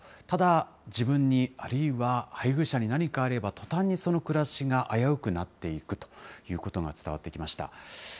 ただ、自分に、あるいは配偶者に何かあれば、とたんに、その暮らしが危うくなっていくということが伝わってきました。